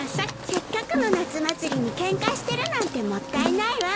せっかくの夏祭りにケンカしてるなんてもったいないわ。